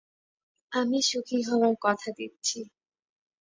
আমি সুখী হওয়ার কথা দিচ্ছি।